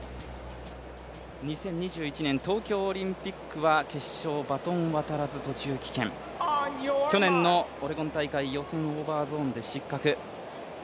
２０２１年東京オリンピックは決勝、バトンが渡らず途中棄権、去年のオレゴン大会、予選、オーバーゾーンで失格。